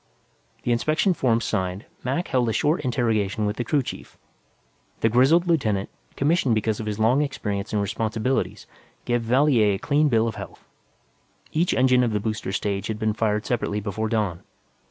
The inspection forms signed, Mac held a short interrogation with the crew chief. The grizzled lieutenant, commissioned because of his long experience and responsibilities, gave Valier a clean bill of health. Each engine of the booster stage had been fired separately, before dawn.